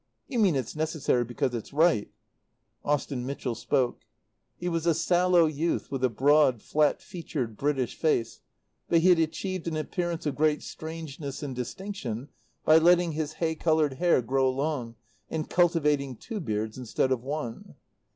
"You mean it's necessary because it's right." Austen Mitchell spoke. He was a sallow youth with a broad, flat featured, British face, but he had achieved an appearance of great strangeness and distinction by letting his hay coloured hair grow long and cultivating two beards instead of one.